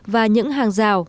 và những hàng rào